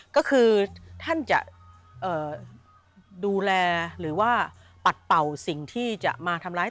ก็คือท่านจะดูแลหรือว่าปัดเป่าสิ่งที่จะมาทำร้าย